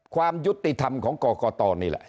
ความยุติธรรมของกรกตนี่แหละ